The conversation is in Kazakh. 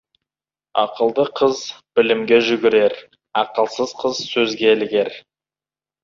Ақылды қыз білімге жүгірер, ақылсыз қыз сөзге ілігер.